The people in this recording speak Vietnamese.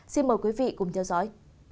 xin mời quý vị cùng theo dõi